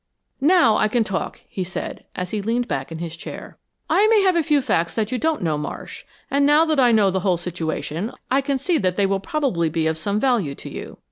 "Now I can talk," he said, as he leaned back in his chair. "I may have a few facts that you don't know, Marsh, and now that I know the whole situation I can see that they will probably be of some value to you.